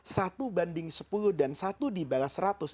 satu banding sepuluh dan satu dibalas seratus